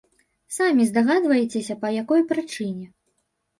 Самі здагадваецеся, па якой прычыне!!!